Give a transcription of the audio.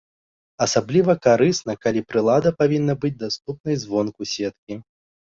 Асабліва карысна, калі прылада павінна быць даступнай звонку сеткі.